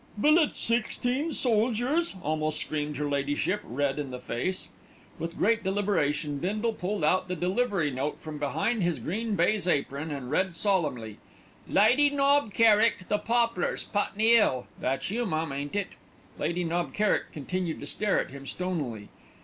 "Billet sixteen soldiers!" almost screamed her ladyship, red in the face. With great deliberation Bindle pulled out the delivery note from behind his green baize apron, and read solemnly: "'Lady Knob Kerrick, The Poplars, Putney 'Ill.' That's you, mum, ain't it?" Lady Knob Kerrick continued to stare at him stonily.